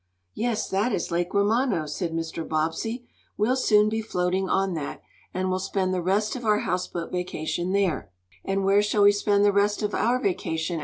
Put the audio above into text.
"Yes, that is Lake Romano," said Mr. Bobbsey. "We'll soon be floating on that, and we'll spend the rest of our houseboat vacation there." "And where shall we spend the rest of our vacation?"